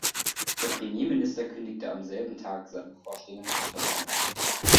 Der Premierminister kündigte am selben Tag seinen bevorstehenden Rücktritt an.